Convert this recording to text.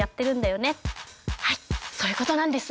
「はいそういうことなんです！」